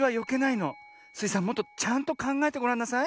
もっとちゃんとかんがえてごらんなさい。